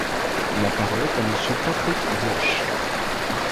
La parole est à Monsieur Patrick Bloche.